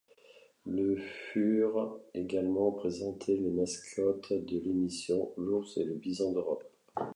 Le furent également présentés les mascottes de l'émission, l'ours et le bison d'Europe.